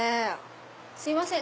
すいません